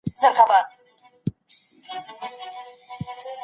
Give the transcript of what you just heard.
د څېړونکي حافظه د عامو خلګو تر حافظې پیاوړې وي.